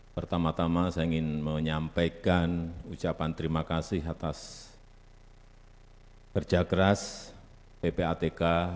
pertama tama saya ingin menyampaikan ucapan terima kasih atas kerja keras ppatk